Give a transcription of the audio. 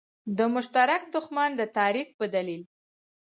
د مشترک دښمن د تعریف په دلیل.